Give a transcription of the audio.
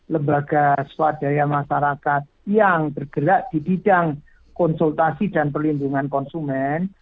lembaga swadaya masyarakat yang bergerak di bidang konsultasi dan perlindungan konsumen